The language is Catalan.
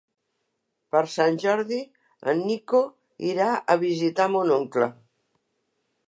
Per Sant Jordi en Nico irà a visitar mon oncle.